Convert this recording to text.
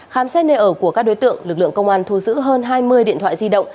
khám xét nơi ở của các đối tượng lực lượng công an thu giữ hơn hai mươi điện thoại di động